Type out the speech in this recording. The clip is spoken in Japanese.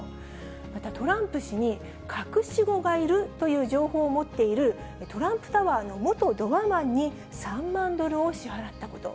またトランプ氏に隠し子がいるという情報を持っている、トランプタワーの元ドアマンに、３万ドルを支払ったこと。